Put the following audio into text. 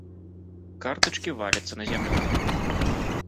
Картачкі валяцца на зямлю.